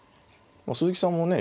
鈴木さんもね